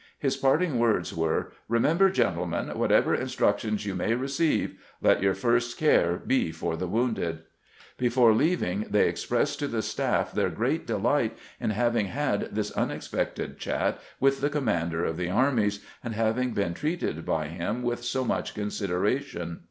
His parting words were :" Eemem ber, gentlemen, whatever instructions you may receive, let your first care be for the wounded." Before leaving 170 CAMPAIGNING WITH GKANT they expressed to the staff their great delight in having had this unexpected chat with the commander of the armies, and having been treated by him with so much consideration.